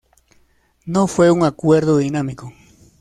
No fue un acuerdo dinámico.